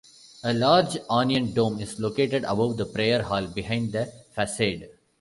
A large onion dome is located above the prayer hall behind the facade.